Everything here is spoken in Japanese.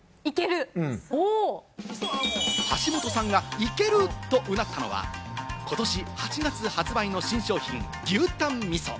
橋本さんがいける！と唸ったのは、ことし８月発売の新商品・牛たん味噌。